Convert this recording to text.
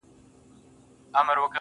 پر دې دُنیا سوځم پر هغه دُنیا هم سوځمه.